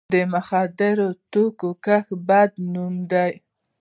د مخدره توکو کښت بدنامي ده.